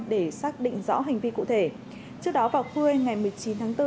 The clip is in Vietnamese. để xác định rõ hành vi cụ thể trước đó vào khuya ngày một mươi chín tháng bốn